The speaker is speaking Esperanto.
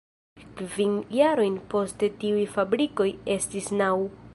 Kvin jarojn poste tiuj fabrikoj estis naŭ.